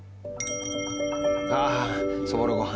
ああそぼろご飯。